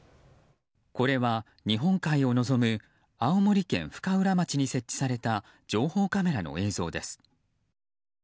これは日本海を望む青森県深浦町に設置された情報カメラの映像です。